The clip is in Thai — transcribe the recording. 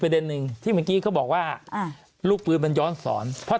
เด็นหนึ่งที่เมื่อกี้เขาบอกว่าลูกปืนมันย้อนสอนเพราะ